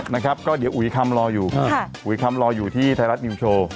นะครับก็เดี๋ยวอุ๋ยคำรออยู่อุ๋ยคำรออยู่ที่ไทยรัฐนิวโชว์